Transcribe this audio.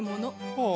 ほう。